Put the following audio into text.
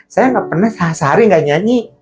saya gak pernah sehari hari gak nyanyi